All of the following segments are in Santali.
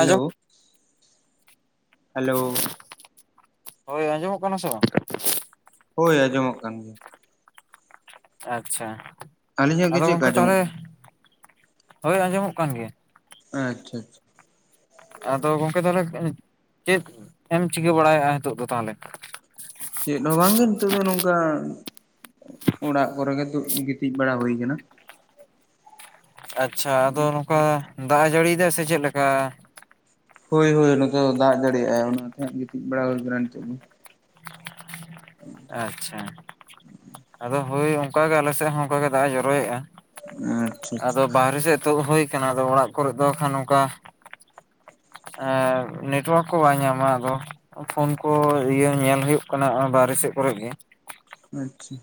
ᱟᱸᱡᱚᱢ ᱦᱮᱞᱳ ᱦᱳᱭ ᱟᱸᱡᱚᱢᱚᱜ ᱠᱟᱱᱟ ᱥᱮ ᱵᱟᱝ? ᱦᱳᱭ ᱟᱸᱡᱚᱢᱚᱜ ᱠᱟᱱ ᱜᱮᱭᱟ᱾ ᱟᱪᱪᱷᱟ ᱟᱹᱞᱤᱧᱟᱜ ᱜᱮ ᱟᱫᱚ ᱪᱮᱫ ᱞᱮᱠᱟ ᱜᱚᱝᱠᱮ ᱟᱸᱡᱚᱢᱚᱜ ᱛᱟᱦᱚᱞᱮ ᱠᱟᱱᱟ ᱦᱳᱭ ᱟᱸᱡᱚᱢᱚᱜ ᱠᱟᱱ ᱜᱮᱭᱟ᱾ ᱟᱪᱪᱷᱟ ᱟᱪᱪᱷᱟ᱾ ᱟᱫᱚ ᱜᱚᱢᱠᱮ ᱛᱟᱦᱚᱞᱮ ᱪᱮᱫ ᱮᱢ ᱪᱤᱠᱟᱹ ᱵᱟᱲᱟᱭᱮᱫᱼᱟ ᱱᱤᱛᱚᱜ ᱫᱚ ᱛᱟᱦᱚᱞᱮ᱾ ᱪᱮᱫ ᱦᱚᱸ ᱵᱟᱝᱜᱮ ᱱᱤᱛᱚᱜ ᱫᱚ ᱱᱚᱝᱠᱟ ᱚᱲᱟᱜ ᱠᱚᱨᱮ ᱜᱮ ᱫᱩ ᱜᱤᱛᱤᱡ ᱵᱟᱲᱟ ᱦᱩᱭ ᱟᱠᱟᱱᱟ᱾ ᱟᱪᱪᱷᱟ ᱟᱫᱚ ᱱᱚᱝᱠᱟ ᱫᱟᱜ ᱮ ᱡᱟᱹᱲᱤ ᱮᱫᱟ ᱥᱮ ᱪᱮᱫᱞᱮᱠᱟ? ᱦᱳᱭ ᱦᱳᱭ ᱱᱚᱛᱮ ᱫᱚ ᱫᱟᱜ ᱡᱟᱲᱤᱭᱮᱜ ᱟᱭ ᱚᱱᱟᱛᱮ ᱜᱤᱛᱤᱡ ᱵᱟᱲᱟ ᱦᱩᱭ ᱠᱟᱱᱟ ᱱᱤᱛᱚᱜ ᱫᱚ ᱾ ᱟᱪᱪᱷᱟ ᱟᱫᱚ ᱦᱳᱭ ᱚᱱᱠᱟᱜᱮ ᱟᱞᱮ ᱥᱮᱫ ᱦᱚᱸ ᱚᱱᱠᱟᱜᱮ ᱫᱟᱜ ᱮ ᱡᱚᱨᱚᱭᱮᱫᱼᱟ ᱟᱪᱪᱷᱟ ᱾ ᱟᱪᱪᱷᱟ ᱟᱫᱚ ᱵᱟᱨᱦᱮ ᱥᱮᱫ ᱛᱳᱫ ᱦᱳᱭ ᱠᱟᱱᱟ ᱟᱫᱚ ᱚᱲᱟᱜ ᱠᱚᱨᱮᱫ ᱫᱚ ᱠᱷᱟᱱ ᱱᱚᱝᱠᱟ ᱾ ᱮᱸᱻ ᱱᱮᱴᱳᱣᱟᱨᱠ ᱠᱚ ᱵᱟᱭ ᱧᱟᱢᱟ ᱟᱫᱚᱼᱼ ᱯᱷᱳᱱ ᱠᱚ ᱤᱭᱟᱹ ᱧᱮᱞ ᱦᱩᱭᱩᱜ ᱠᱟᱱᱟ ᱟᱨ ᱵᱟᱨᱦᱮ ᱥᱮᱫ ᱠᱚᱨᱮᱜᱤ ᱾ ᱟᱪᱪᱷᱟ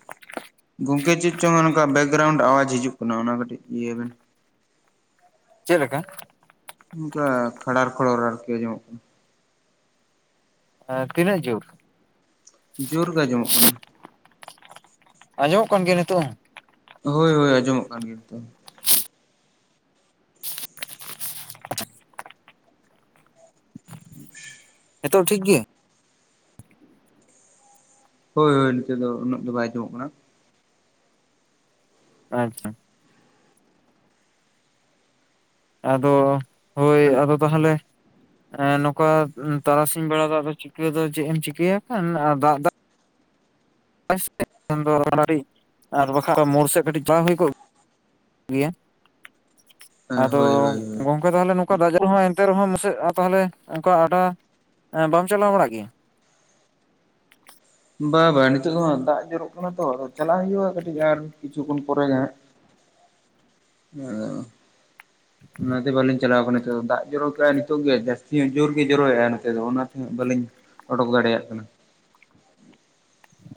ᱜᱚᱝᱠᱮ ᱪᱮᱫ ᱪᱚᱝ ᱚᱱᱠᱟ ᱵᱮᱠᱜᱨᱟᱣᱩᱱᱰ ᱟᱣᱟᱡᱽ ᱦᱤᱡᱩᱜ ᱠᱟᱱᱟ ᱚᱱᱟ ᱠᱟᱹᱴᱤᱡ ᱤᱭᱟᱹ ᱵᱮᱱ ᱾ ᱪᱮᱫ ᱞᱮᱠᱟ? ᱚᱱᱠᱟ ᱠᱷᱟᱲᱟᱨ ᱠᱷᱲᱚᱨ ᱟᱨᱠᱤ ᱟᱸᱡᱚᱢᱚᱜ ᱠᱟᱱᱟ ᱾ ᱮ ᱛᱤᱱᱟᱹᱜ ᱡᱩᱨ? ᱡᱩᱨ ᱜᱮ ᱟᱸᱡᱚᱢᱚᱜ ᱠᱟᱱᱟ ᱾ ᱟᱸᱡᱚᱢᱚᱜ ᱠᱟᱱ ᱜᱮᱭᱟ ᱱᱤᱛᱚᱜ ᱦᱚᱸ? ᱦᱳᱭ ᱦᱳᱭ ᱟᱸᱚᱢᱚᱜ ᱠᱟᱱ ᱜᱮᱭᱟ ᱛᱚ ᱾ ᱦᱩᱸ ᱱᱤᱛᱚᱜ ᱴᱷᱤᱠ ᱜᱮᱭᱟ? ᱦᱳᱭ ᱦᱳᱭ ᱱᱤᱛᱳᱜ ᱫᱚ ᱩᱱᱟᱹᱜ ᱫᱚ ᱵᱟᱭ ᱟᱸᱡᱚᱢᱚᱜ ᱠᱟᱱᱟ ᱾ ᱟᱪᱪᱷᱟ ᱟᱫᱚ ᱦᱳᱭ ᱟᱫᱚ ᱛᱟᱦᱚᱞᱮ ᱮᱸ ᱱᱚᱝᱠᱟ ᱛᱟᱨᱟᱥᱤᱧ ᱵᱮᱲᱟ ᱫᱟᱜ ᱫᱚ ᱪᱤᱠᱟᱹ ᱫᱚ ᱪᱮᱫ ᱮᱢ ᱪᱤᱠᱟᱹᱭᱟ ᱦᱟᱸᱜ ᱠᱷᱟᱱ ᱟᱨ ᱫᱟᱜ ᱫᱟᱭ [inaudible] ᱟᱨ ᱵᱟᱠᱷᱟᱡ ᱫᱚ ᱢᱳᱲ ᱥᱮᱫ ᱠᱟᱹᱴᱤᱡ ᱪᱟᱞᱟᱣ ᱦᱩᱭ ᱠᱚᱜ ᱜᱮᱭᱟ ᱟᱫᱚ ᱦᱳᱭ ᱦᱳᱭ ᱦᱳᱭ ᱜᱚᱝᱼᱼ ᱛᱟᱦᱟᱞᱮ ᱱᱚᱝᱠᱟ ᱫᱟᱜᱽ ᱡᱟᱯᱩᱫ ᱨᱮᱦᱚᱸ ᱮᱱᱛᱮ ᱨᱮᱦᱚᱸ ᱱᱟᱥᱮ ᱛᱟᱦᱚᱞᱮ ᱱᱚᱝᱠᱟ ᱟᱰᱟ ᱵᱟᱢ ᱪᱟᱞᱟᱣ ᱵᱟᱲᱟᱜ ᱜᱮᱭᱟ? ᱵᱟ ᱵᱟᱝ ᱱᱤᱛᱚᱜ ᱫᱚ ᱦᱟᱸᱜ ᱫᱟᱜ ᱡᱚᱨᱚᱜ ᱠᱟᱱᱟ ᱛᱚ ᱟᱫᱚ ᱪᱟᱞᱟᱜ ᱦᱩᱭᱩᱜᱼᱟ ᱠᱟᱹᱴᱤᱡ ᱟᱨ ᱠᱤᱪᱷᱩ ᱠᱷᱚᱱ ᱱ ᱯᱚᱨᱮ ᱜᱮ ᱮ ᱦᱟᱸᱜ ᱾ ᱚᱻ ᱚᱱᱟᱛᱮ ᱵᱟᱹᱞᱤᱧ ᱪᱟᱞᱟᱣ ᱠᱟᱱᱟ ᱱᱤᱛᱚᱜ ᱫᱚ ᱫᱟᱜ ᱡᱚᱨᱚᱠ ᱱᱤᱛᱚᱜ ᱜᱮ ᱡᱟᱹᱥᱛᱤ ᱡᱳᱨᱜᱮ ᱡᱚᱨᱚᱭᱮᱜᱼᱟ ᱱᱚᱛᱮ ᱫᱚ ᱚᱱᱟᱛᱮ ᱦᱟᱸᱜ ᱵᱟᱹᱞᱤᱧ ᱚᱰᱚᱠ ᱫᱟᱲᱮᱭᱟᱜ ᱠᱟᱱᱟ ᱾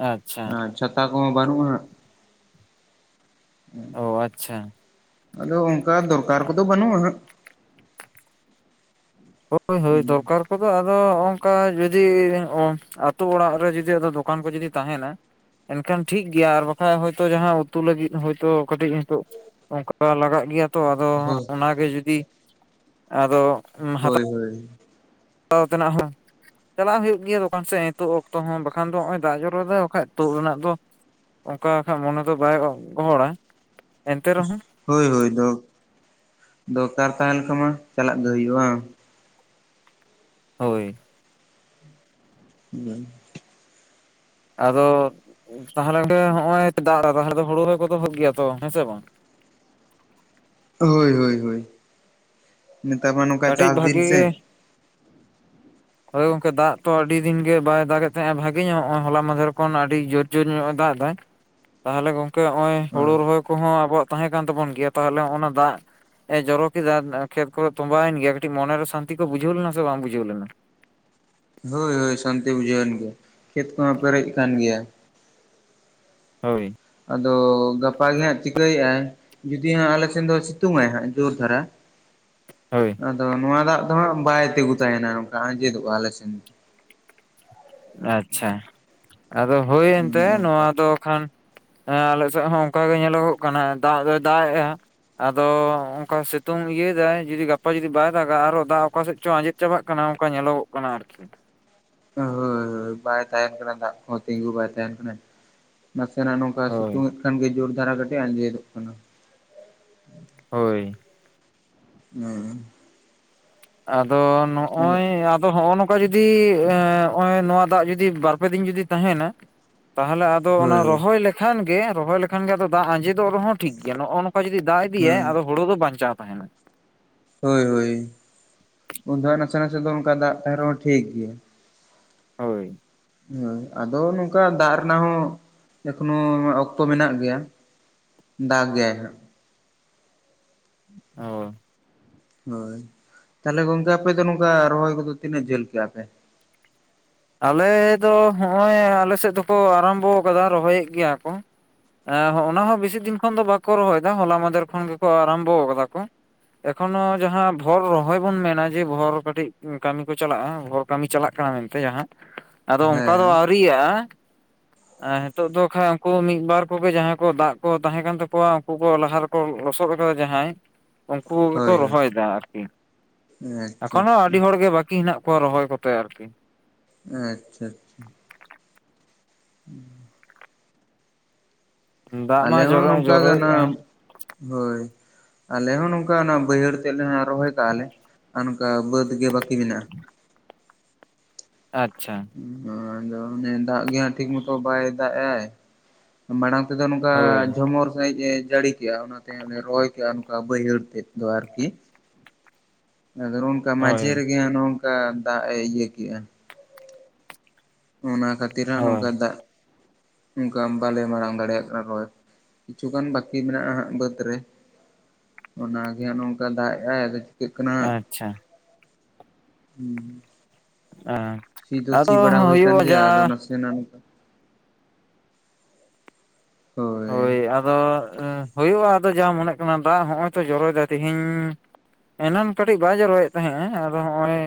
ᱟᱪᱪᱷᱟ ᱪᱷᱟᱛᱟ ᱠᱚᱢᱟ ᱵᱟᱹᱱᱩᱜᱼᱟ ᱾ ᱚ ᱟᱪᱪᱷᱟ ᱟᱫᱚ ᱚᱱᱠᱟ ᱫᱚᱨᱠᱟᱨ ᱠᱚᱫᱚ ᱵᱟᱹᱱᱩᱜᱼᱟ ᱦᱟᱸᱜ ᱦᱳᱭ ᱦᱳᱭ ᱫᱚᱨᱠᱟᱨ ᱠᱚᱫᱚ ᱟᱫᱚ ᱱᱚᱜ-ᱚᱝᱠᱟ ᱡᱩᱫᱤ ᱟᱹᱛᱩ ᱚᱲᱟᱜ ᱨᱮ ᱡᱩᱫᱤ ᱟᱫᱚ ᱫᱚᱠᱟᱱ ᱠᱚ ᱡᱩᱫᱤ ᱛᱟᱦᱮᱱᱟ ᱮᱱᱠᱷᱟᱱ ᱴᱷᱤᱠ ᱜᱮᱭᱟ ᱟᱨ ᱵᱟᱠᱷᱟᱱ ᱦᱚᱭᱛᱳ ᱡᱟᱦᱟᱸ ᱩᱛᱩ ᱞᱟᱹᱜᱤᱫ ᱦᱳᱭᱛᱳ ᱠᱟᱹᱴᱤᱡ ᱱᱤᱛᱚᱜ ᱚᱱᱠᱟ ᱞᱟᱜᱟᱜ ᱜᱮᱭᱟ ᱛᱚ ᱟᱫᱚ ᱦᱳᱭ ᱚᱱᱟᱜᱮ ᱡᱩᱫᱤ ᱟᱫᱚ ᱦᱳᱭ ᱦᱳᱭ ᱦᱟᱛᱟᱣ ᱛᱮᱱᱟᱜ ᱦᱚᱸ ᱪᱟᱞᱟᱜ ᱦᱩᱭᱩᱜ ᱜᱮᱭᱟ ᱫᱚᱠᱟᱱ ᱥᱮᱫ ᱱᱤᱛᱳᱜ ᱚᱠᱛᱚ ᱦᱚᱸ ᱵᱟᱠᱷᱟᱱ ᱫᱚ ᱱᱚᱜᱼᱚᱭ ᱫᱟᱜ ᱡᱚᱨᱚᱨᱮ ᱵᱟᱠᱟᱱ ᱛᱳᱫ ᱨᱮᱱᱟᱜ ᱫᱚ ᱚᱱᱠᱟ ᱟᱠᱷᱟᱡ ᱢᱚᱱᱮ ᱫᱚ ᱵᱟᱭ ᱜᱚᱦᱚᱲᱟ ᱮᱱᱛᱮ ᱨᱮᱦᱚᱸ ᱦᱳᱭ ᱦᱳᱭ ᱫᱚ ᱫᱚᱨᱠᱟᱨ ᱛᱟᱦᱮᱸ ᱞᱮᱱ ᱠᱷᱟᱱ ᱢᱟ ᱪᱟᱞᱟᱜ ᱜᱮ ᱦᱩᱭᱩᱜᱼᱟ ᱵᱟᱝ ᱦᱳᱭ ᱦᱮᱸ ᱟᱫᱚ ᱛᱟᱦᱚᱞᱮ ᱜᱮ ᱦᱚᱜ-ᱚᱭ ᱫᱟᱜ ᱨᱮ ᱛᱟᱦᱚᱞᱮ ᱫᱚ ᱦᱩᱲᱩ ᱨᱚᱦᱚᱭ ᱠᱚᱫᱚ ᱦᱩᱭᱩᱜ ᱜᱮᱭᱟ ᱛᱚ ᱦᱮᱸ ᱥᱮ ᱵᱟᱝ ᱦᱳᱭ ᱦᱳᱭ ᱦᱳᱭ ᱱᱮᱛᱟᱨ ᱢᱟ ᱱᱚᱝᱠᱟ ᱠᱟᱹᱴᱤᱡ ᱪᱟᱥ ᱫᱤᱱ ᱵᱷᱟᱹᱜᱤ ᱥᱮ ᱜᱮ [inaudible] ᱦᱳᱭ ᱜᱚᱢᱠᱮ ᱫᱟᱜ ᱛᱚ ᱟᱹᱰᱤ ᱫᱤᱱ ᱜᱮ ᱵᱟᱭ ᱫᱟᱜ ᱮᱫ ᱛᱟᱦᱮᱸᱫᱼᱟ ᱵᱷᱟᱜᱤ ᱧᱚᱜ ᱱᱚᱜᱚᱭ ᱦᱚᱞᱟ ᱢᱟᱫᱷᱮᱨ ᱠᱷᱚᱱ ᱟᱹᱰᱤ ᱡᱳᱨ ᱡᱳᱨ ᱧᱚᱜᱼᱮ ᱫᱟᱜ ᱮᱫᱟ ᱛᱟᱦᱚᱞᱮ ᱜᱚᱢᱠᱮ ᱱᱚᱜ ᱚᱭ ᱦᱩᱲ ᱨᱚᱦᱚᱭ ᱠᱚᱦᱚᱸ ᱟᱵᱚᱣᱟᱜ ᱛᱟᱦᱮᱸ ᱠᱟᱱ ᱛᱟᱵᱚᱱ ᱜᱮᱭᱟ ᱛᱟᱦᱚᱞᱮ ᱚᱱᱟ ᱫᱟᱜ ᱮ ᱡᱚᱨᱚ ᱠᱮᱫᱟ ᱠᱷᱮᱛ ᱠᱚ ᱛᱚᱸᱵᱟᱭᱮᱱ ᱜᱮᱭᱟ ᱠᱟᱹᱴᱤᱡ ᱢᱚᱱᱮᱨᱮ ᱥᱟᱱᱛᱤ ᱠᱚ ᱵᱩᱡᱟᱹᱣ ᱞᱮᱱᱟ ᱥᱮ ᱵᱟᱝ ᱵᱩᱡᱷᱟᱹᱣ ᱞᱮᱱᱟ ᱦᱳᱭ ᱦᱳᱭ ᱥᱟᱱᱛᱤ ᱵᱩᱡᱷᱟᱹᱣᱮᱱ ᱜᱮᱭᱟ ᱠᱷᱮᱛ ᱠᱚᱦᱚᱸ ᱯᱮᱨᱮᱡ ᱟᱠᱟᱱ ᱜᱮᱭᱟ ᱦᱳᱭ ᱟᱫᱚ ᱜᱟᱯᱟ ᱜᱮ ᱦᱟᱸᱜ ᱪᱤᱠᱟᱹᱭᱮᱫᱼᱟᱭ ᱡᱩᱫᱤ ᱦᱟᱸᱜ ᱟᱞᱮ ᱥᱮᱱ ᱫᱚ ᱥᱤᱛᱩᱝ ᱟᱭ ᱦᱟᱸᱜ ᱡᱳᱨ ᱫᱷᱟᱨᱟ [inaudible] ᱦᱳᱭ ᱟᱫᱚ ᱱᱚᱣᱟ ᱫᱟᱜ ᱫᱚᱦᱟᱸᱜ ᱵᱟᱭ ᱛᱤᱸᱜᱩ ᱛᱟᱦᱮᱱᱟ ᱱᱚᱝᱠᱟ ᱟᱸᱡᱮᱫᱚᱜᱼᱟ ᱟᱞᱮᱥᱮᱱ ᱟᱪᱪᱷᱟ ᱟᱫᱚ ᱦᱳᱭ ᱚᱱᱮ ᱮᱱᱛᱮᱫ ᱚᱱᱠᱟ ᱱᱚᱣᱟ ᱫᱚ ᱠᱷᱟᱱ ᱟᱞᱮ ᱥᱮᱫ ᱦᱚᱸ ᱚᱱᱠᱟᱜ ᱜᱮ ᱧᱮᱞᱚᱜᱚᱜ ᱠᱟᱱᱟ ᱫᱟᱜ ᱫᱚᱭ ᱫᱟᱜ ᱮᱫᱼᱟ ᱟᱫᱚ ᱚᱱᱠᱟ ᱥᱤᱛᱩᱝ ᱤᱭᱟᱹᱭᱮᱫᱟᱭ ᱡᱩᱫᱤ ᱜᱟᱯᱟ ᱡᱩᱫᱤ ᱵᱟᱭ ᱫᱟᱜᱟ ᱟᱨᱚ ᱫᱟᱜ ᱚᱠᱟ ᱥᱮᱫ ᱪᱚ ᱟᱸᱡᱮᱫ ᱪᱟᱵᱟᱜ ᱠᱟᱱᱟ ᱚᱱᱠᱟ ᱧᱮᱞᱚᱜᱚᱜ ᱠᱟᱱᱟ ᱟᱨᱠᱤ ᱦᱳᱭ ᱦᱳᱭ ᱵᱟᱭ ᱫᱟᱜ ᱮᱫ ᱛᱚᱨᱟ ᱫᱟᱜ ᱠᱚ ᱛᱤᱸᱜᱩ ᱵᱟᱭ ᱛᱟᱦᱮᱱ ᱠᱟᱱᱟ ᱱᱟᱥᱮᱱᱟᱜ ᱱᱚᱝᱠᱟ ᱦᱳᱭ ᱥᱤᱛᱩᱝ ᱮᱫ ᱠᱷᱟᱱ ᱜᱮ ᱡᱳᱨ ᱫᱷᱟᱨᱟ ᱠᱟᱹᱴᱤᱡ ᱟᱸᱡᱮᱫᱚᱜ ᱠᱟᱱᱟ ᱦᱳᱭ ᱦᱮᱸ ᱟᱫᱚ ᱱᱚᱜᱼᱚᱭ ᱟᱫᱚ ᱱᱚᱜᱼᱚ ᱱᱚᱝ ᱱᱚᱝᱠᱟ ᱡᱩᱫᱤ ᱱᱚᱜᱼᱚᱭ ᱱᱚᱣᱟ ᱫᱟᱜ ᱡᱩᱫᱤ ᱵᱟᱨᱯᱮ ᱫᱤᱱ ᱡᱩᱫᱤ ᱛᱟᱦᱮᱱᱟ ᱛᱟᱦᱚᱞᱮ ᱟᱫᱚ ᱚᱱᱟ ᱦᱳᱭ ᱨᱚᱦᱚᱭ ᱞᱮᱠᱷᱟᱱ ᱜᱮ ᱨᱚᱦᱚᱭ ᱞᱮᱠᱷᱟᱱ ᱜᱮ ᱟᱫᱚ ᱫᱟᱜ ᱟᱸᱡᱮᱫᱚᱜ ᱨᱮᱦᱚᱸ ᱴᱷᱤᱠ ᱜᱮᱭᱟ ᱱᱚᱜᱼᱚ ᱱᱚᱝᱠᱟ ᱡᱩᱫᱤ ᱫᱟᱜ ᱤᱫᱤᱭᱟᱭ ᱦᱮᱸ ᱟᱫᱚ ᱦᱩᱲᱩ ᱫᱚ ᱵᱟᱧᱪᱟᱣ ᱛᱟᱦᱮᱱᱟ ᱦᱳᱭ ᱦᱳᱭ ᱩᱱ ᱫᱚ ᱱᱟᱥᱮ ᱱᱟᱥᱮ ᱫᱚ ᱚᱱᱠᱟ ᱫᱟᱜ ᱛᱟᱦᱮᱸᱱ ᱨᱮᱦᱚᱸ ᱴᱷᱤᱠ ᱜᱮᱭᱟ ᱦᱳᱭ ᱦᱳᱭ ᱟᱫᱚ ᱱᱚᱝᱠᱟ ᱫᱟᱜ ᱨᱮᱱᱟᱜ ᱦᱚᱸ ᱮᱠᱷᱚᱱᱚ ᱚᱠᱛᱚ ᱢᱮᱱᱟᱜ ᱜᱮᱭᱟ ᱫᱟᱜ ᱜᱮᱭᱟᱭ ᱦᱟᱸᱜ ᱦᱳᱭ ᱦᱳᱭ ᱛᱟᱦᱚᱞᱮ ᱜᱚᱢᱠᱮ ᱟᱯᱮ ᱫᱚ ᱱᱚᱝᱠᱟ ᱨᱚᱦᱚᱭ ᱠᱚᱫᱚ ᱛᱤᱱᱟᱹᱜ ᱡᱷᱟᱹᱞ ᱠᱮᱫᱼᱟ ᱯᱮ ᱟᱞᱮ ᱫᱚ ᱦᱚᱜᱼᱚᱭ ᱟᱞᱮ ᱥᱮᱫ ᱫᱚᱠᱚ ᱟᱨᱟᱢᱵᱚ ᱟᱠᱟᱫᱟ ᱨᱚᱦᱚᱭᱮᱫ ᱜᱮᱭᱟ ᱠᱚ ᱮᱸ ᱚᱱᱟ ᱦᱚᱸ ᱵᱮᱥᱤ ᱫᱤᱱ ᱠᱷᱚᱱ ᱫᱚ ᱵᱟᱠᱚ ᱨᱚᱦᱚᱭ ᱮᱫᱟ ᱦᱚᱞᱟ ᱢᱟᱫᱷᱮᱨ ᱠᱷᱚᱱ ᱜᱮᱠᱚ ᱟᱨᱟᱢᱵᱚ ᱟᱠᱟᱫᱟ ᱠᱚ ᱮᱠᱷᱚᱱᱚ ᱡᱟᱦᱟᱸ ᱵᱷᱚᱨ ᱨᱚᱦᱚᱭ ᱵᱚᱱ ᱢᱮᱱᱟ ᱡᱮ ᱵᱷᱚᱨ ᱠᱟᱹᱴᱤᱡ ᱠᱟᱹᱢᱤ ᱠᱚ ᱪᱟᱞᱟᱜᱼᱟ ᱵᱷᱚᱨ ᱠᱟᱹᱢᱤ ᱪᱟᱞᱟᱜ ᱠᱟᱱᱟ ᱢᱮᱱᱛᱮ ᱡᱟᱦᱟᱸ ᱟᱫᱚ ᱚᱱᱠᱟ ᱫᱚ ᱦᱮᱸ ᱟᱹᱣᱨᱤ ᱭᱟᱜ-ᱟ ᱟᱨ ᱱᱤᱛᱚᱜ ᱫᱚ ᱠᱷᱟᱱ ᱩᱱᱠᱩ ᱢᱤᱫᱵᱟᱨ ᱠᱚᱜᱮ ᱡᱟᱦᱟᱸᱭ ᱠᱚ ᱫᱟᱜ ᱠᱚ ᱛᱟᱦᱮᱸ ᱠᱟᱱ ᱛᱟᱠᱚᱣᱟ ᱦᱚᱠᱩ ᱠᱚ ᱞᱟᱦᱟ ᱨᱮᱠᱚ ᱞᱚᱥᱚᱫ ᱟᱠᱟᱫᱟ ᱡᱟᱦᱟᱸᱭ ᱩᱱᱠᱩ ᱠᱚᱜᱮ ᱠᱚ ᱦᱳᱭ ᱦᱳᱭ ᱨᱚᱦᱚᱭ ᱫᱟ ᱟᱨᱠᱤ ᱟᱪᱪᱷᱟ ᱮᱠᱷᱚᱱ ᱦᱚᱸ ᱟᱪᱪᱷᱟ ᱟᱹᱰᱤ ᱦᱚᱲᱜᱮ ᱵᱟᱹᱠᱤ ᱦᱮᱱᱟᱜ ᱠᱚᱣᱟ ᱨᱚᱦᱚᱭ ᱠᱚᱛᱮ ᱛᱚ ᱟᱨᱠᱤ ᱟᱪᱪᱷᱟ ᱟᱪᱪᱷᱟ ᱦᱮᱸ ᱫᱟᱜ ᱢᱟ ᱟᱞᱮ ᱦᱚᱸ ᱡᱚᱨᱚ ᱱᱚᱝᱠᱟ ᱜᱮ ᱚᱱᱟ ᱡᱚᱨᱚᱭᱮᱫᱟᱭ ᱦᱳᱭ ᱟᱞᱮ ᱦᱚᱸ ᱱᱚᱝᱠᱟ ᱚᱱᱟ ᱵᱟᱹᱭᱦᱟᱹᱲ ᱛᱮ ᱞᱮ ᱨᱚᱦᱚᱭ ᱠᱟᱜᱼᱟ ᱞᱮ ᱟᱨ ᱚᱱᱠᱟ ᱵᱟᱹᱫᱽ ᱜᱮ ᱵᱟᱹᱠᱤ ᱢᱮᱱᱟᱜᱼᱟ ᱟᱪᱪᱷᱟ ᱟᱫᱚ ᱚᱱᱮ ᱫᱟᱜ ᱜᱮ ᱦᱟᱜ ᱴᱷᱤᱠ ᱢᱚᱛᱚ ᱵᱟᱭ ᱫᱟᱜ ᱮᱫ ᱢᱟᱲᱟᱝ ᱛᱮᱫᱚ ᱱᱚᱝᱠᱟ ᱦᱳᱭ ᱡᱷᱚᱢᱚᱨ ᱥᱟᱺᱦᱤᱡ ᱮ ᱡᱟᱹᱲᱤ ᱠᱮᱜ-ᱟ ᱚᱱᱟᱛᱮ ᱚᱱᱮ ᱨᱚᱦᱚᱭ ᱠᱮᱜ-ᱟ ᱱᱚᱠᱟ ᱵᱟᱹᱭᱦᱟᱹᱲ ᱛᱮᱫ ᱫᱚ ᱟᱨᱠᱤ ᱚᱱᱠᱟ ᱦᱳᱭ ᱢᱟᱡᱷᱮ ᱨᱮᱜᱮ ᱱᱚᱝᱠᱟ ᱫᱟᱜ ᱮ ᱤᱭᱟᱹ ᱠᱮᱜᱼᱟ ᱚᱱᱟ ᱠᱷᱟᱹᱛᱤᱨ ᱦᱟᱸᱜ ᱦᱳᱭ ᱱᱚᱝᱠᱟ ᱫᱟᱜ ᱚᱱᱠᱟ ᱵᱟᱞᱮ ᱢᱟᱲᱟᱝ ᱫᱟᱲᱮᱭᱟᱜ ᱠᱟᱱᱟ ᱨᱚᱦᱚᱭ ᱠᱤᱪᱷᱩ ᱜᱟᱱ ᱵᱟᱠᱤ ᱢᱮᱱᱟᱜᱼᱟ ᱦᱟᱸᱜ ᱵᱟᱹᱫᱽ ᱨᱮ ᱚᱱᱟᱜᱮ ᱱᱚᱝᱠᱟ ᱫᱟᱜ ᱮᱜ-ᱟᱭ ᱟᱫᱚ ᱪᱤᱠᱟᱹᱜ ᱠᱟᱱᱟ ᱦᱟᱸᱜ ᱟᱪᱪᱷᱟ ᱦᱩᱸ ᱟᱨ ᱥᱤ ᱫᱚ ᱥᱤ ᱵᱟᱲᱟ ᱦᱩᱭ ᱟᱠᱟᱱ ᱜᱮᱭᱟ ᱟᱫᱚ ᱱᱟᱥᱮ ᱱᱟᱜ ᱱᱚᱠᱟ ᱦᱳᱭ ᱟᱫᱚ ᱦᱩᱭᱩᱜᱼᱟ ᱟᱫᱚ ᱡᱟ ᱢᱚᱱᱮᱜ ᱠᱟᱱᱟ ᱫᱟᱜ ᱦᱚᱸᱜᱼᱚᱭ ᱛᱚ ᱡᱚᱨᱚ ᱮᱫᱟᱭ ᱛᱤᱦᱤᱧ ᱮᱱᱟᱱ ᱠᱟᱹᱴᱤᱡ ᱵᱟᱭ ᱡᱟᱨᱚᱭᱮᱫ ᱛᱟᱦᱮᱸᱜ-ᱟᱭ ᱟᱫᱚ ᱦᱚᱸᱜᱼᱚᱭ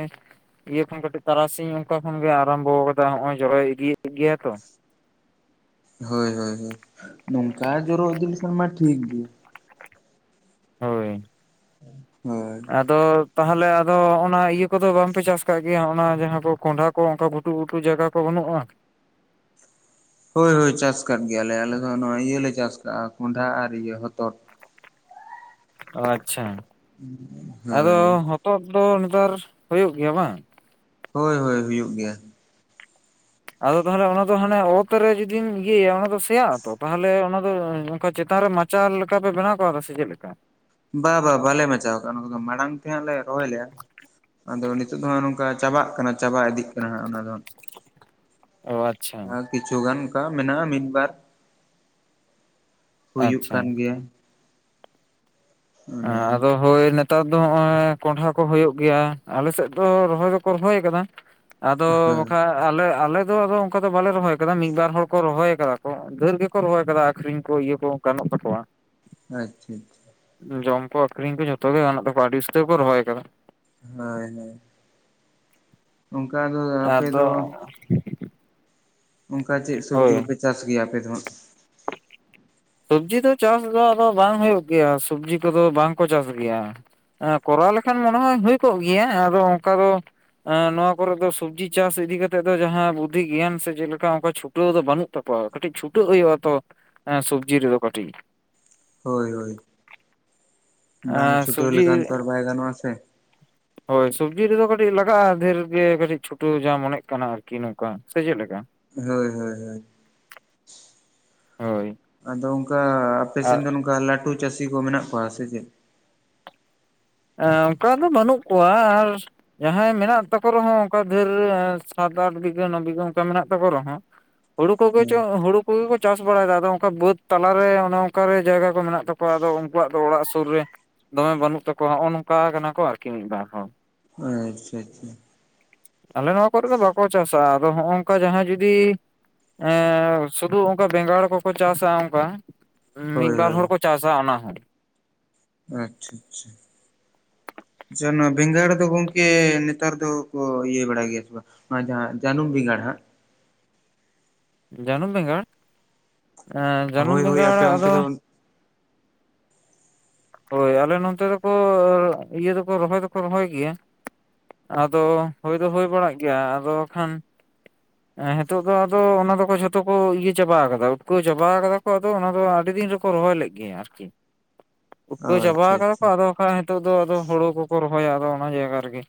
ᱤᱭᱟᱹ ᱠᱷᱚᱱ ᱠᱟᱹᱴᱤᱡ ᱛᱟᱨᱟᱥᱤᱧ ᱚᱱᱠᱟ ᱠᱷᱚᱱᱜᱮ ᱟᱨᱚᱢᱵᱷᱚ ᱟᱠᱟᱫᱟ ᱱᱚᱜ-ᱚᱭ ᱡᱚᱨᱚ ᱤᱫᱤᱭᱮᱫ ᱜᱮᱭᱟᱭ ᱛᱚ ᱦᱳᱭ ᱦᱳᱭ ᱦᱳᱭ ᱱᱚᱝᱠᱟ ᱡᱚᱨᱚ ᱤᱫᱤ ᱞᱮᱠᱷᱟᱱ ᱢᱟ ᱴᱷᱤᱠ ᱜᱤ ᱦᱳᱭ ᱦᱳᱭ ᱟᱫᱚ ᱛᱟᱦᱚᱞᱮ ᱟᱫᱚ ᱚᱱᱟ ᱤᱭᱟᱹ ᱠᱚᱫᱚ ᱵᱟᱝᱯᱮ ᱪᱟᱥ ᱠᱟᱜ ᱜᱮᱭᱟ ᱚᱱᱟ ᱡᱟᱦᱟᱸ ᱠᱚ ᱠᱚᱸᱰᱷᱟ ᱠᱚ ᱚᱱᱠᱟ ᱜᱷᱩᱴᱩ ᱜᱩᱴᱩ ᱡᱟᱭᱜᱟ ᱠᱚ ᱵᱟᱹᱱᱩᱜᱼᱟ ᱦᱳᱭ ᱦᱳᱭ ᱪᱟᱥ ᱠᱟᱫ ᱜᱮᱭᱟᱞᱮ ᱟᱞᱮ ᱫᱚ ᱱᱚᱜᱼᱚᱭ ᱤᱭᱟᱹ ᱞᱮ ᱪᱟᱥ ᱟᱠᱟᱫᱼᱟ ᱠᱚᱸᱰᱷᱟ ᱟᱨ ᱤᱭᱟᱹ ᱦᱚᱛᱚᱫ ᱟᱪᱪᱷᱟ ᱟᱫᱚ ᱦᱳᱭ ᱦᱚᱛᱚᱫ ᱫᱚ ᱱᱮᱛᱟᱨ ᱦᱩᱭᱩᱜ ᱜᱮᱭᱟ ᱵᱟᱝ ᱦᱳᱭ ᱦᱳᱭ ᱦᱩᱭᱩᱜ ᱜᱮᱭᱟ ᱾ ᱟᱫᱚ ᱛᱟᱦᱚᱞᱮ ᱚᱱᱟ ᱫᱚ ᱦᱟᱱᱮ ᱚᱛ ᱨᱮ ᱡᱩᱫᱤᱢ ᱤᱭᱟᱹᱭᱟ ᱚᱱᱟ ᱫᱚ ᱥᱮᱭᱟᱜ-ᱟ ᱛᱚ ᱛᱟᱦᱚᱞᱮ ᱚᱱᱟ ᱫᱚ ᱚᱱᱠᱟ ᱪᱮᱛᱟᱱ ᱨᱮ ᱢᱟ ᱪᱟᱨ ᱞᱮᱠᱟ ᱯᱮ ᱵᱮᱱᱟᱣ ᱠᱟᱣᱫᱟ ᱥᱮ ᱪᱮᱫ ᱞᱮᱠᱟ ᱵᱟ ᱵᱟ ᱵᱟᱞᱮ ᱢᱟᱪᱟᱣ ᱟᱠᱟᱫᱼᱟ ᱚᱱᱟ ᱠᱚᱫᱚ ᱢᱟᱲᱟᱝ ᱛᱮ ᱦᱟᱸᱜ ᱞᱮ ᱨᱚᱦᱚᱭ ᱞᱮᱜᱼᱟ ᱟᱫᱚ ᱱᱤᱛᱳᱜ ᱫᱚ ᱦᱟᱸᱜ ᱱᱚᱝᱠᱟ ᱪᱟᱵᱟᱜ ᱠᱟᱱᱟ ᱪᱟᱵᱟ ᱤᱫᱤᱜ ᱠᱟᱱᱟ ᱦᱟᱸᱜ ᱚᱱᱟ ᱫᱚ ᱚ ᱟᱪᱪᱷᱟ ᱟᱨ ᱠᱤᱪᱷᱩ ᱜᱟᱱ ᱚᱱᱠᱟ ᱢᱮᱱᱟᱜᱼᱟ ᱢᱤᱫ ᱵᱟᱨ ᱦᱩᱭᱩᱜ ᱟᱪᱪᱷᱟ ᱠᱟᱱ ᱜᱮᱭᱟ ᱾ ᱟᱫᱚ ᱦᱳᱭ ᱱᱮᱛᱟᱨ ᱫᱚ ᱱᱚᱜᱼᱚᱭ ᱠᱚᱸᱰᱷᱟ ᱠᱚ ᱦᱩᱭᱩᱜ ᱜᱮᱭᱟ, ᱟᱞᱮ ᱥᱮᱫ ᱫᱚ ᱨᱚᱦᱚᱭ ᱫᱚᱠᱚ ᱨᱚᱦᱚᱭ ᱟᱠᱟᱫᱟ [unintelligible] ᱟᱫᱚ ᱵᱟᱠᱷᱟ ᱟᱞᱮ ᱟᱞᱮ ᱫᱚ ᱟᱫᱚ ᱚᱱᱠᱟ ᱫᱚ ᱵᱟᱞᱮ ᱨᱚᱦᱚᱭ ᱟᱠᱟᱫᱟ ᱢᱤᱫ ᱵᱟᱨ ᱦᱚᱲ ᱠᱚ ᱨᱚᱦᱚᱭ ᱟᱠᱟᱫᱟ ᱠᱚ ᱫᱷᱟᱹᱨ ᱜᱮᱠᱚ ᱨᱚᱦᱚᱭ ᱟᱠᱟᱫᱟ ᱟᱠᱷᱨᱤᱧ ᱠᱚ ᱤᱭᱟᱹ ᱠᱚ ᱜᱟᱱᱚᱜ ᱛᱟᱠᱚᱣᱟ ᱾ ᱟᱪᱪᱷᱟ ᱟᱪᱪᱷᱟ ᱡᱚᱢ ᱠᱚ ᱟᱹᱠᱷᱨᱤᱧ ᱠᱚ ᱡᱚᱛᱚ ᱜᱮ ᱜᱟᱱᱚᱜ ᱛᱟᱠᱚᱣᱟ ᱟᱹᱰᱤ ᱩᱥᱛᱟᱹᱨ ᱠᱚ ᱨᱚᱦᱚᱭ ᱟᱠᱟᱫᱟ ᱦᱳᱭ ᱦᱳᱭ ᱚᱱᱠᱟ ᱜᱮ ᱦᱩᱭᱩᱜ-ᱟ ᱟᱯᱮ ᱫᱚ ᱟᱫᱚ [inaudible] ᱚᱱᱠᱟ ᱪᱮᱫ ᱥᱚᱵᱽᱡᱤ ᱦᱳᱭ ᱠᱚᱯᱮ ᱪᱟᱥ ᱜᱮᱭᱟ ᱟᱯᱮ ᱫᱚ ᱦᱟᱸᱜ ᱥᱚᱵᱽᱡᱤ ᱫᱚ ᱪᱟᱥ ᱫᱚ ᱟᱫᱚ ᱵᱟᱝ ᱦᱩᱭᱩᱜ ᱜᱮᱭᱟ ᱥᱚᱵᱽᱡᱤ ᱠᱚᱫᱚ ᱵᱟᱝᱠᱚ ᱪᱟᱥ ᱜᱮᱭᱟ ᱠᱚᱨᱟᱣ ᱞᱮᱠᱷᱟᱱ ᱢᱚᱱᱮ ᱦᱚᱭ ᱦᱩᱭ ᱠᱚᱜ ᱜᱮᱭᱟ ᱟᱫᱚ ᱚᱱᱠᱟ ᱫᱚ ᱱᱚᱣᱟ ᱠᱚᱨᱮ ᱫᱚ ᱥᱚᱵᱽᱡᱤ ᱪᱟᱥ ᱤᱫᱤ ᱠᱟᱛᱮᱜ ᱫᱚ ᱡᱟᱦᱟᱸ ᱵᱩᱫᱽᱫᱷᱤ ᱜᱮᱭᱟᱱ ᱥᱮ ᱪᱮᱫ ᱞᱮᱠᱟ ᱚᱱᱠᱟ ᱪᱷᱩ ᱴᱟᱹᱣ ᱫᱚ ᱵᱟᱱᱩᱜ ᱛᱟᱠᱚᱣᱟ ᱠᱟᱹᱴᱤᱡ ᱪᱷᱩᱴᱟᱹᱜ ᱦᱩᱭᱩᱜᱼᱟ ᱛᱚ ᱥᱚᱵᱽᱡᱤ ᱨᱮᱫᱚ ᱠᱟᱹᱴᱤᱡ ᱦᱳᱭ ᱦᱳᱭ ᱵᱟᱝ ᱪᱷᱩᱴᱟᱹᱣ ᱞᱮᱠᱷᱟᱱ ᱥᱚᱵᱽᱡᱤ ᱛᱚ ᱟᱨ ᱵᱟᱭ ᱜᱟᱱᱚᱜ ᱟᱥᱮ ᱦᱳᱭ ᱥᱚᱵᱽᱡᱤ ᱨᱮᱫᱚ ᱠᱟᱹᱴᱤᱡ ᱞᱟᱜᱟᱜᱼᱟ ᱰᱷᱮᱨ ᱜᱮ ᱠᱟᱹᱴᱤᱡ ᱪᱷᱩᱴᱟᱹᱣ ᱡᱟ ᱢᱚᱱᱮᱜ ᱠᱟᱱᱟ ᱟᱨᱠᱤ ᱱᱚᱝᱠᱟ ᱥᱮ ᱪᱮᱫ ᱞᱮᱠᱟ ᱦᱳᱭ ᱦᱳᱭ ᱦᱳᱭ ᱦᱳᱭ ᱟᱫᱚ ᱚᱱᱠᱟ ᱟᱯᱮ ᱟᱨ ᱥᱮᱱ ᱫᱚ ᱱᱚᱝᱠᱟ ᱞᱟᱴᱩ ᱪᱟᱹᱥᱤ ᱠᱚ ᱢᱮᱱᱟᱜ ᱠᱚᱣᱟ ᱥᱮ ᱪᱮᱫ ᱮᱸ ᱚᱱᱠᱟ ᱫᱚ ᱵᱟᱱᱩᱜ ᱠᱚᱣᱟ ᱟᱨ ᱡᱟᱦᱟᱸᱭ ᱢᱮᱱᱟᱜ ᱛᱟᱠᱚ ᱨᱮᱦᱚᱸ ᱚᱱᱠᱟ ᱫᱷᱟᱹᱨ ᱥᱟᱛ ᱟᱴ [unintelligible] ᱵᱤᱜᱷᱟᱹ ᱱᱚ ᱵᱤᱜᱷᱟ ᱚᱱᱠᱟ ᱢᱮᱱᱟᱜ ᱛᱟᱠᱚ ᱨᱮᱦᱚᱸ᱾ [inaudible] ᱦᱩᱲᱩ ᱠᱚᱜᱮ ᱪᱚ ᱦᱮᱸ ᱦᱩᱲᱩ᱾ ᱩᱱᱠᱩ ᱜᱮᱠᱚ ᱪᱟᱥ ᱵᱟᱲᱟᱭᱮᱫᱟ ᱟᱫᱚ ᱚᱱᱠᱟ ᱵᱟᱹᱫ ᱛᱟᱞᱟᱨᱮ ᱚᱱᱮ ᱚᱱᱠᱟ ᱨᱮ ᱡᱟᱭᱜᱟ ᱠᱚ ᱢᱮᱱᱟᱜ ᱛᱟᱠᱚᱣᱟ ᱟᱫᱚ ᱩᱱᱠᱩᱣᱟᱜ ᱫᱚ ᱚᱲᱟᱜ ᱥᱩᱨ ᱨᱮ᱾ ᱫᱚᱢᱮ ᱵᱟᱹᱱᱩᱜ ᱛᱟᱠᱚᱣᱟ ᱱᱚᱜᱼᱚ ᱱᱚᱝᱠᱟ ᱠᱟᱱᱟ ᱠᱚ ᱟᱨᱠᱤ ᱢᱤᱫᱵᱟᱨ ᱦᱚᱲ᱾ ᱟᱪᱪᱷᱟ ᱟᱪᱪᱷᱟ᱾ ᱟᱞᱮ ᱱᱚᱣᱟ ᱠᱚᱨᱮ ᱫᱚ ᱵᱟᱠᱚ ᱪᱟᱥᱟ ᱟᱫᱚ ᱦᱚᱸᱜᱼᱚ ᱱᱚᱝᱠᱟ ᱡᱟᱦᱟᱸ ᱡᱩᱫᱤ ᱮ ᱥᱩᱫᱩ ᱚᱱᱠᱟ ᱵᱮᱸᱜᱟᱲ ᱠᱚᱠᱚ ᱪᱟᱥᱟ ᱚᱱᱠᱟ᱾ ᱢᱤᱫ ᱦᱳᱭ ᱵᱟᱨ ᱦᱳᱭ ᱦᱚᱲ ᱠᱚ ᱪᱟᱥᱟ ᱚᱱᱟ ᱦᱚᱸ᱾ ᱟᱪᱪᱷᱟ ᱟᱪᱪᱷᱟ᱾ ᱪᱟ ᱱᱚᱣᱟ ᱵᱮᱸᱜᱟᱰᱲ ᱫᱚ ᱜᱚᱝᱠᱮ ᱱᱮᱛᱟᱨ ᱫᱚ ᱠᱚ ᱤᱭᱟᱹ ᱵᱲᱟ ᱜᱮᱭᱟ ᱥᱮ ᱵᱟᱝ? ᱱᱚᱣᱟ ᱡᱟᱦᱟᱸ ᱡᱟᱹᱱᱩᱢ ᱵᱮᱸᱜᱟᱲ ᱦᱟᱸᱜ᱾ ᱡᱟᱹᱱᱩᱢ ᱵᱮᱸᱜᱟᱲ ᱮᱸ ᱡᱟᱹᱱᱩᱢ ᱦᱳᱭ ᱦᱳᱭ ᱵᱮᱸᱜᱟᱲ ᱟᱯᱮ ᱚᱱᱛᱮ ᱟᱫᱚ᱾ ᱫᱚ ᱦᱳᱭ ᱟᱞᱮ ᱱᱚᱱᱚᱛᱮ ᱫᱚᱠᱚ ᱤᱭᱟᱹ ᱫᱚᱠᱚ ᱨᱚᱦᱚᱭ ᱫᱚᱠᱚ ᱨᱚᱦᱚᱭ ᱜᱮᱭᱟ᱾ ᱟᱫᱚ ᱦᱳᱭ ᱫᱚ ᱦᱳᱭ ᱵᱟᱲᱟᱜ ᱜᱮᱭᱟ ᱟᱫᱚ ᱠᱷᱟᱱ᱾ ᱦᱮᱸᱛᱚᱜ ᱫᱚ ᱟᱫᱚ ᱚᱱᱟ ᱫᱚ ᱡᱷᱚᱛᱚ ᱠᱚ ᱤᱭᱟᱹ ᱪᱟᱵᱟ ᱟᱠᱟᱫᱟ ᱩᱴᱠᱟᱹᱣ ᱪᱟᱵᱟᱣ ᱠᱟᱫᱟ ᱠᱚ ᱟᱫᱚ ᱚᱱᱟ ᱫᱚ ᱟᱹᱰᱤ ᱫᱤᱱ ᱨᱮ ᱠᱚ ᱨᱚᱦᱚᱭ ᱞᱮᱫ ᱜᱮᱭᱟ ᱟᱨᱠᱤ ᱩᱴᱠᱟᱹᱣ ᱪᱟᱵᱟ ᱟᱪᱪᱷᱟ ᱠᱟᱫᱟ ᱠᱚ ᱟᱪᱪᱷᱟ ᱟᱫᱚ᱾ ᱦᱚᱭ ᱱᱤᱛᱚᱜ ᱫᱚ ᱟᱫᱚ ᱦᱩᱲᱩ ᱠᱚᱠᱚ ᱨᱚᱦᱚᱭᱟ ᱟᱫᱚ ᱚᱱᱟ ᱡᱟᱭᱜᱟ ᱨᱮᱜᱮ᱾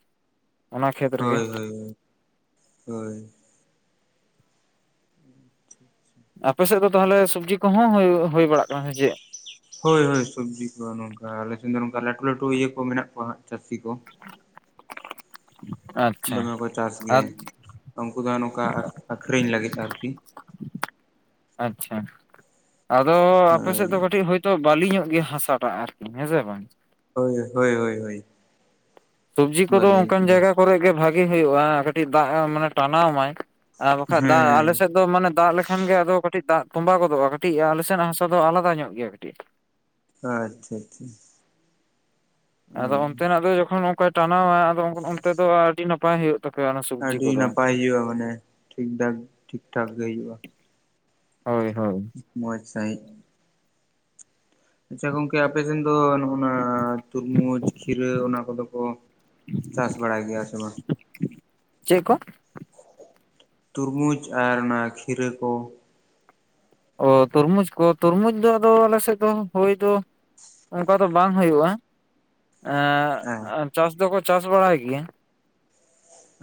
ᱚᱱᱟ ᱠᱷᱮᱛ ᱨᱮᱜᱮ ᱦᱳᱭ ᱦᱳᱭ ᱦᱳᱭ ᱾ ᱟᱯᱮ ᱥᱮᱫ ᱫᱚ ᱛᱟᱦᱚᱞᱮ ᱥᱚᱵᱡᱤ ᱠᱚᱦᱚᱸ ᱦᱩᱭ ᱵᱟᱲᱟᱜ ᱠᱟᱱᱟ ᱥᱮ ᱪᱮᱫ? ᱦᱳᱭ ᱦᱳᱭ ᱥᱚᱵᱽᱡᱤ ᱠᱚ ᱱᱚᱝᱠᱟ ᱟᱞᱮᱥᱮᱱ ᱫᱚ ᱱᱚᱝᱠᱟ ᱞᱟᱹᱴᱩ ᱞᱟᱹᱴᱩ ᱤᱭᱟᱹ ᱠᱚ ᱢᱮᱱᱟᱜ ᱠᱚᱣᱟ ᱦᱟᱸᱜ ᱪᱟᱹᱥᱤ ᱠᱚ᱾ ᱟᱪᱪᱷᱟ ᱫᱚᱢᱮ ᱠᱚ ᱪᱟᱥ ᱜᱮᱭᱟ ᱩᱱᱠᱩ ᱫᱚ ᱱᱚᱝᱠᱟ ᱟᱠᱷᱨᱤᱧ ᱞᱟᱹᱜᱤᱫ ᱟᱨᱠᱤ᱾ ᱟᱪᱪᱷᱟ ᱟᱫᱚ ᱟᱯᱮ ᱦᱳᱭ ᱥᱮᱫ ᱫᱚ ᱠᱟᱹᱴᱤᱡ ᱦᱳᱭ ᱛᱚ ᱵᱟᱹᱞᱤᱧᱚᱜ ᱜᱮᱭᱟ ᱦᱟᱥᱟᱴᱟᱜ ᱟᱨᱠᱤ ᱦᱮᱸ ᱥᱮ ᱵᱟᱝ? ᱦᱳᱭ ᱦᱳᱭ ᱦᱳᱭ ᱦᱳᱭ᱾ ᱥᱚᱵᱡᱤ ᱠᱚᱫᱚ ᱵᱷᱟᱹᱞᱤ ᱧᱚᱜ ᱚᱱᱠᱟᱱ ᱜᱮ ᱡᱟᱭᱜᱟ ᱠᱚᱨᱮᱜ ᱜᱮ ᱵᱷᱟᱜᱤ ᱦᱩᱭᱩᱜᱼᱟ ᱠᱟᱹᱴᱤᱡ ᱫᱟᱜ ᱢᱟᱱᱮ ᱴᱟᱱᱟᱣ ᱢᱟᱭ᱾ ᱟᱨ ᱵᱟᱠᱷᱟᱡ ᱫᱟᱜ ᱟᱞᱮ ᱦᱮᱸ ᱥᱮᱫ ᱫᱚ ᱢᱟᱱᱮ ᱫᱟᱜ ᱞᱮᱠᱷᱟᱱ ᱜᱮ ᱟᱫᱚ ᱠᱟᱹᱴᱤᱡ ᱫᱟᱜ ᱛᱚᱸᱵᱟ ᱜᱚᱫᱚᱜᱼᱟ ᱠᱟᱹᱴᱤᱡ ᱟᱞᱮ ᱥᱮᱱᱟᱜ ᱦᱟᱥᱟ ᱫᱚ ᱟᱞᱟᱫᱟ ᱧᱚᱜ ᱜᱮᱭᱟ ᱠᱟᱹᱴᱤᱡ᱾ ᱟᱪᱪᱷᱟ ᱟᱪᱪᱷᱟ᱾ ᱟᱫᱚ ᱚᱱᱛᱮᱱᱟᱜ ᱫᱚ ᱡᱚᱠᱷᱚᱱ ᱚᱱᱠᱟᱭ ᱴᱟᱱᱟᱣᱟ ᱟᱫᱚ ᱚᱱᱛᱮ ᱫᱚ ᱟᱹᱰᱤ ᱱᱟᱯᱟᱭ ᱦᱩᱭᱩᱜ ᱛᱟᱯᱮᱭᱟ ᱚᱱᱟ ᱥᱚᱵᱽᱡᱤ ᱟᱹᱰᱤ ᱠᱚᱫᱚ᱾ ᱱᱟᱯᱟᱭ ᱦᱩᱭᱩᱜᱼᱟ ᱢᱟᱱᱮ ᱴᱷᱤᱠ ᱴᱷᱟᱠ ᱜᱮ ᱦᱩᱭᱩᱜᱼᱟ᱾ ᱦᱳᱭ ᱦᱳᱭ᱾ ᱢᱚᱡᱽ ᱥᱟᱹᱦᱤᱡ᱾ ᱟᱪᱪᱷᱟ ᱜᱚᱝᱠᱮ ᱟᱯᱮᱥᱱ ᱫᱚ ᱱᱚᱜᱼ ᱱᱟ ᱛᱩᱨᱢᱩᱡᱽ ᱠᱷᱤᱨᱟᱹ ᱚᱱᱟ ᱠᱚᱫᱚ ᱠᱚ ᱪᱟᱥ ᱵᱟᱲᱟᱭ ᱜᱮᱭᱟ ᱥᱮ ᱵᱟᱝ? ᱪᱮᱜ ᱠᱚ? ᱛᱩᱨᱢᱩᱡᱽ ᱟᱨ ᱚᱱᱟ ᱠᱷᱤᱨᱟᱹ ᱠᱚ᱾ ᱚ ᱛᱩᱨᱢᱩᱡᱽ ᱠᱚ ᱛᱩᱨᱢᱩᱡᱽ ᱫᱚ ᱟᱫᱚ ᱟᱞᱮ ᱥᱮᱫ ᱫᱚ ᱦᱳᱭ ᱫᱚ, ᱚᱱᱠᱟ ᱫᱚ ᱵᱟᱝ ᱦᱩᱭᱩᱜᱼᱟ᱾ ᱦᱮᱸ ᱮᱸᱜ ᱪᱟᱥ ᱫᱚᱠᱚ ᱪᱟᱥ ᱵᱟᱲᱟᱭ ᱜᱮᱭᱟ᱾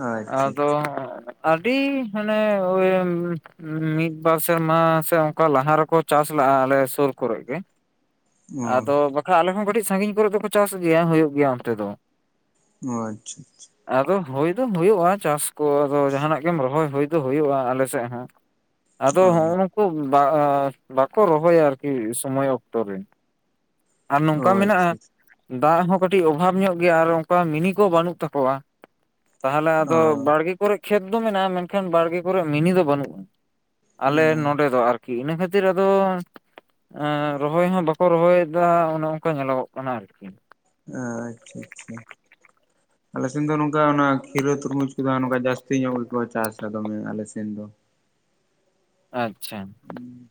ᱟᱪᱪᱷᱟ ᱟᱪᱪᱷᱟ ᱟᱫᱚ, ᱟᱹᱰᱤ ᱦᱟᱱᱮ ᱶ ᱢᱤᱫ ᱵᱟᱨ ᱥᱮᱨᱢᱟ ᱥᱮ ᱚᱱᱠᱟ ᱞᱟᱦᱟ ᱨᱮᱠᱚ ᱪᱟᱥ ᱞᱟᱜᱼᱟ ᱟᱞᱮ ᱥᱩᱨ ᱠᱚᱨᱮ ᱜᱮ ᱟᱫᱚ ᱵᱟ ᱟᱞᱮᱦᱚᱸ ᱠᱟᱹᱴᱤᱡ ᱥᱟᱺᱜᱤᱧ ᱠᱚᱨᱮ ᱫᱚ ᱠᱚ ᱪᱟᱥ ᱜᱮᱭᱟ ᱦᱩᱭᱩᱜ ᱜᱮᱭᱟ ᱚᱱᱛᱮ ᱫᱚ᱾ ᱚ ᱟᱪᱪᱷᱟ ᱟᱪᱪᱷᱟ᱾ ᱟᱫᱚ ᱦᱳᱭᱱᱫᱚ ᱦᱳᱭᱳᱜᱼᱟ ᱪᱟᱥ ᱠᱚ ᱟᱫᱚ ᱡᱟᱦᱟᱱᱟᱜ ᱜᱮᱢ ᱨᱚᱦᱚᱭ ᱦᱳᱭ ᱫᱚ ᱦᱳᱭᱳᱜᱼᱟ ᱟᱞᱮᱥᱮᱜ ᱦᱚᱸ [inaudible] ᱟᱫᱚ ᱦᱚᱜᱼᱚ ᱱᱩᱠᱩ ᱵᱟ ᱵᱟᱠᱚ ᱨᱚᱦᱚᱭᱟ ᱟᱨᱠᱤ ᱥᱚᱢᱚᱭ ᱚᱠᱛᱚ ᱨᱮᱼᱼ ᱟᱨ ᱚ ᱱᱚᱝᱠᱟ ᱢᱮᱱᱟᱜᱼᱟ ᱟᱪᱪᱷᱟ ᱫᱟᱜ ᱦᱚᱸ ᱠᱟᱹᱴᱤᱡ ᱚᱵᱷᱟᱵᱽ ᱧᱚᱜ ᱜᱮᱭᱟ ᱟᱨ ᱚᱝᱠᱟ ᱢᱤᱱᱤ ᱠᱚ ᱵᱟᱹᱱᱩᱜ ᱛᱟᱠᱚᱣᱟ᱾ ᱛᱟᱦᱚᱞᱮ ᱟᱫᱚ ᱚ ᱵᱟᱲᱜᱮ ᱠᱚᱨᱮᱜ ᱠᱷᱮᱛ ᱫᱚ ᱢᱮᱱᱟᱜᱼᱟ ᱢᱮᱱᱠᱷᱟᱱ ᱵᱟᱲᱜᱮ ᱠᱚᱨᱮᱜ ᱢᱤᱱᱤ ᱫᱚ ᱵᱟᱹᱱᱩᱜᱼᱟ᱾ ᱟᱞᱮ ᱱᱚᱸᱰᱮ ᱫᱚ ᱟᱨᱠᱤ ᱤᱱᱟᱹ ᱠᱷᱟᱹᱛᱤᱨ ᱟᱫᱚᱼᱼ ᱮᱸ ᱨᱚᱦᱚᱭ ᱦᱚᱸ ᱵᱟᱠᱚ ᱨᱚᱦᱚᱭᱮᱫᱟ ᱚᱱᱮ ᱚᱝᱠᱟ ᱧᱮᱞᱚᱜᱚᱜ ᱠᱟᱱᱟ ᱟᱨᱠᱤ᱾ ᱟᱪᱪᱷᱟ ᱟᱪᱪᱷᱟ᱾ ᱟᱞᱮ ᱥᱮᱱ ᱫᱚ ᱱᱚᱝᱠᱟ ᱚᱱᱟ ᱠᱷᱤᱨᱟᱹ ᱛᱚᱨᱢᱩᱡᱽ ᱠᱚᱫᱚ ᱟᱸ ᱱᱚᱠᱟ ᱡᱟᱹᱥᱛᱤ ᱧᱚᱜ ᱜᱮᱠᱚ ᱪᱟᱥᱟ ᱫᱚᱢᱮ ᱟᱞᱮ ᱥᱮᱱ ᱫᱚ, ᱟᱪᱪᱷᱟ, ᱦᱩᱸ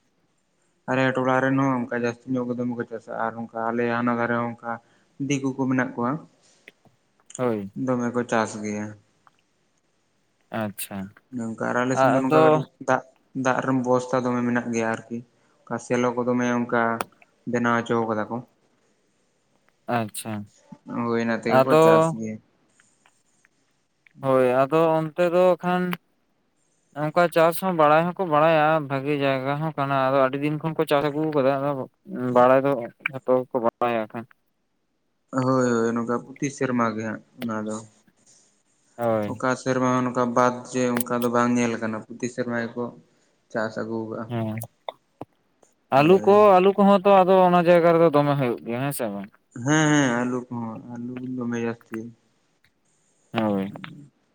ᱟᱞᱮ ᱴᱚᱞᱟ ᱨᱮᱱ ᱦᱚᱸ ᱚᱝᱠᱟ ᱡᱟᱹᱥᱛᱤ ᱧᱚᱜ ᱜᱮ ᱫᱚᱢᱮ ᱠᱚ ᱪᱟᱥᱟ ᱟᱨ ᱚᱝᱠᱟ ᱟᱞᱮ ᱦᱟᱱᱟ ᱫᱷᱟᱨᱮ ᱦᱚᱸ ᱚᱝᱠᱟ ᱫᱤᱠᱩ ᱠᱩ ᱢᱮᱱᱟᱜ ᱠᱚᱣᱟ᱾ ᱦᱳᱭ ᱫᱚᱢᱮ ᱠᱚ ᱪᱟᱥ ᱜᱮᱭᱟ᱾ ᱟᱪᱪᱷᱟ᱾ ᱱᱚᱝᱼᱠᱟ ᱟᱨ ᱟᱞᱮ ᱥᱮᱱ ᱫᱚ ᱱᱚᱝᱠᱟ ᱟᱫᱚ ᱠᱟᱹᱴᱤᱡ ᱫᱟᱜ ᱫᱟᱜ ᱨᱚᱢ ᱵᱚᱥᱛᱷᱟ ᱫᱚᱢᱮ ᱢᱮᱱᱟᱜ ᱜᱮᱭᱟ ᱟᱨᱠᱤ᱾ ᱟ ᱥᱮᱞᱚ ᱠᱚ ᱫᱚᱢᱮ ᱚᱱᱠᱟ ᱵᱮᱱᱟᱣ ᱪᱚᱣ ᱠᱟᱫᱟ ᱠᱚ᱾ ᱟᱪᱪᱷᱟ ᱦᱳᱭ ᱳᱱᱟ ᱛᱮᱜᱮ ᱠᱚ ᱟᱫᱚ ᱪᱟᱥ ᱜᱮᱭᱟ᱾ ᱦᱳᱭ ᱟᱫᱚ ᱚᱱᱛᱮ ᱫᱚ ᱠᱷᱟᱱᱼᱼ [inaudible] ᱚᱝᱠᱟ ᱪᱟᱥ ᱦᱚᱸ ᱵᱟᱲᱟᱭ ᱦᱚᱸᱠᱚ ᱵᱟᱲᱟᱭᱟ ᱵᱷᱟᱜᱮ ᱡᱟᱭᱜᱟ ᱦᱚᱸ ᱠᱟᱱᱟ ᱟᱫᱚ ᱟᱹᱰᱤ ᱫᱤᱱ ᱠᱷᱚᱱ ᱠᱚ ᱪᱟᱥ ᱟᱹᱜᱩᱣ ᱠᱟᱫᱟ ᱟᱫᱚᱼᱼ ᱵᱟᱲᱟᱭ ᱫᱚ ᱡᱷᱚᱛᱚ ᱜᱮᱠᱚ ᱵᱟᱲᱟᱭᱟᱼᱼ ᱦᱳᱭ ᱦᱳᱭ ᱱᱚᱠᱟ ᱯᱩᱛᱷᱤ ᱥᱮᱨᱢᱟ ᱜᱮ ᱦᱟᱸᱜ ᱚᱱᱟ ᱫᱚ, ᱦᱳᱭ ᱚᱠᱟᱼᱼ ᱥᱮᱨᱢᱟ ᱱᱚᱠᱟ ᱵᱟᱫ ᱡᱮ ᱚᱝᱠᱟ ᱫᱚ ᱵᱟᱝ ᱧᱮᱞ ᱟᱠᱟᱱᱟ ᱯᱩᱛᱤ ᱥᱮᱨᱢᱟ ᱜᱮᱠᱚ ᱪᱟᱥ ᱟᱹᱜᱩᱼᱼ ᱦᱮᱸ ᱟᱞᱩ ᱠᱚ ᱦᱳᱭ ᱟᱞᱩᱼᱼ ᱠᱚᱦᱚᱸ ᱛᱚ ᱟᱫᱚ ᱚᱱᱟ ᱡᱟᱭᱜᱟ ᱨᱮᱫᱚ ᱫᱚᱢᱮ ᱦᱳᱭᱳᱜ ᱜᱮᱭᱟ ᱦᱮᱸᱥᱮ ᱵᱟᱝ? ᱦᱮᱸ ᱦᱮᱸ ᱟᱞᱩ ᱠᱚᱦᱚᱸ ᱟᱞᱩ ᱫᱚᱢᱮ ᱡᱟᱹᱥᱛᱤ᱾ ᱦᱳᱭ᱾